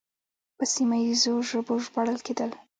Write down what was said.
په سیمه ییزو ژبو ژباړل کېدل